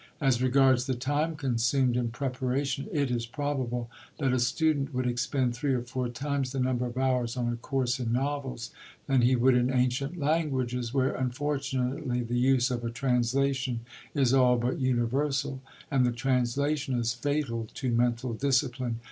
As regards the time consumed in preparation, it is probable that a student would expend three or four times the number of hours on a course in novels than he would in ancient languages, where, unfortunately, the use of a translation is all but universal; and the translation is fatal to mental discipline.